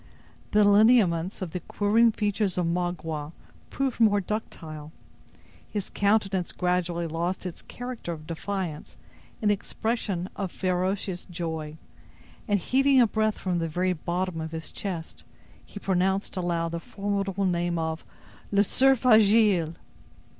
The lineaments of the quivering features of Magua proved more ductile; his countenance gradually lost its character of defiance in an expression of ferocious joy, and heaving a breath from the very bottom of his chest, he pronounced aloud the formidable name of: "Le Cerf Agile!"